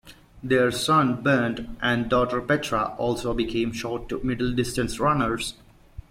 Their son Bernd and daughter Petra also became short to middle-distance runners.